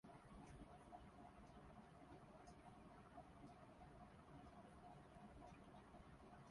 এই আক্রমণের পর ফাগ-মো-গ্রু-পা রাজ্যের মন্ত্রীরা পরামর্শ করে তাদের রাজা কুন-দ্গা'-লেগ্স-পাকে নির্বাসনে পাঠিয়ে ঙ্গাগ-গি-দ্বাং-পোকে পরবর্তী রাজা নির্বাচিত করেন।